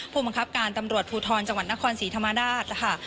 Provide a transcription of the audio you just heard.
ผู้บังคับการตำรวจภูทรจังหวัดนครศรีธรรมราชนะคะ